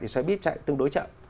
xe bíp chạy tương đối chậm